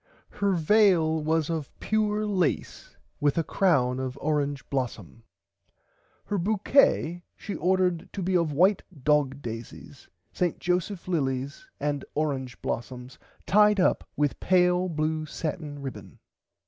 Her veil was of pure lace with a crown of orange blossum. Her bouquett she ordered to be of white dog daisies St. Joseph lilies and orange blossums tied up with pale blue satin ribbon.